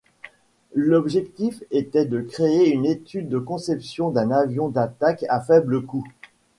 L'objectif était de créer une étude de conception d'un avion d'attaque à faible coût.